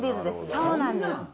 そうなんです。